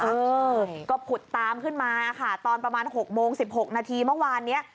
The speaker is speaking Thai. เออก็ผุดตามขึ้นมาค่ะตอนประมาณ๖โมง๑๖นาทีเมื่อวานเนี้ย